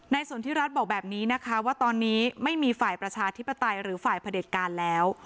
สนทิรัฐบอกแบบนี้นะคะว่าตอนนี้ไม่มีฝ่ายประชาธิปไตยหรือฝ่ายพระเด็จการแล้ว